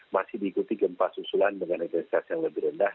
masih diikuti gempa susulan dengan intensitas yang lebih rendah